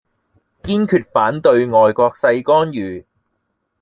堅決反對外國勢干預